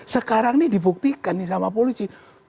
sekarang ini dibuktikan nih sama polisi